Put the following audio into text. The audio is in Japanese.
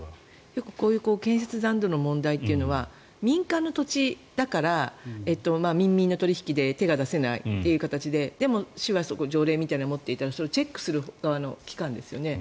こういう建設残土の問題というのは民間の土地だから民民の取引で手が出せないという形ででも、市は条例みたいなのを持っていてチェックする側の機関ですよね。